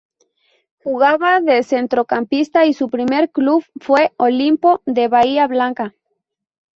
Jugaba de centrocampista y su primer club fue Olimpo de Bahía Blanca.